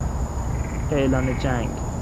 اعلان جنگ